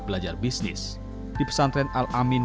belajar bisnis di pesantren al amin